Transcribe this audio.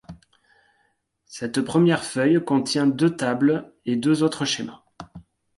Cette première feuille contient deux tables et deux autres schémas.